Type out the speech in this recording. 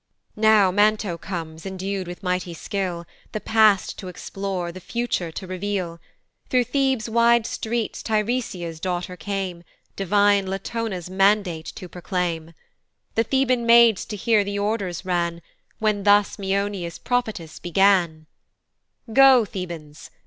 Now Manto comes, endu'd with mighty skill, The past to explore, the future to reveal. Thro' Thebes' wide streets Tiresia's daughter came, Divine Latona's mandate to proclaim: The Theban maids to hear the orders ran, When thus Maeonia's prophetess began: "Go, Thebans!